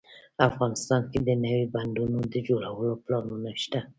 افغانستان کې د نوي بندونو د جوړولو پلانونه شته